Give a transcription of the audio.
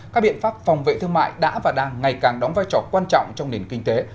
các biện pháp phòng vệ thương mại đã và đang ngày càng đóng vai trò quan trọng trong nền kinh tế